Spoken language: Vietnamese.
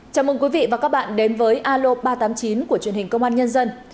chào mừng quý vị và các bạn đến với alo ba trăm tám mươi chín của truyền hình công an nhân dân